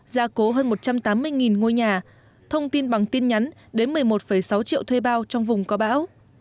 gia cố hơn một trăm tám mươi ngôi nhà thông tin bằng tin nhắn đến một mươi một sáu triệu thuê bao trong vùng có bão